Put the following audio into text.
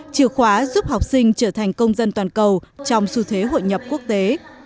chìa khóa giúp học sinh trở thành công dân toàn cầu trong xu thế hội nhập quốc tế